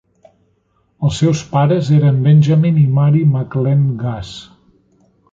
Els seus pares eren Benjamin i Mary McLene Gass.